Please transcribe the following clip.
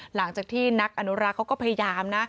หลังจากที่นักอนุรักษ์เขาก็พยายามนะ